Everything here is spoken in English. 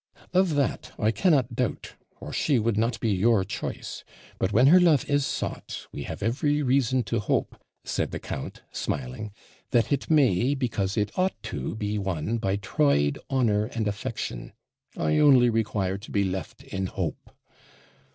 "' 'Of that I cannot doubt, or she would not be your choice; but when her love is sought, we have every reason to hope,' said the count, smiling, 'that it may, because it ought to be won by tried honour and affection. I only require to be left in hope.'